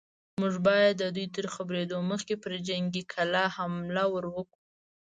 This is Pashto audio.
موږ بايد د دوی تر خبرېدو مخکې پر جنګي کلا حمله ور وړو.